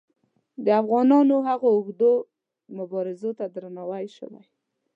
د افغانانو هغو اوږدو مبارزو ته درناوی شوی.